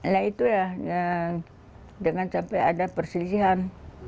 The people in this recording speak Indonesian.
nah itu ya dengan sampai ada persisihan